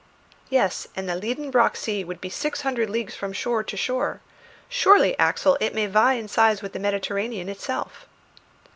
"Yes, and the Liedenbrock sea would be six hundred leagues from shore to shore. Surely, Axel, it may vie in size with the Mediterranean itself."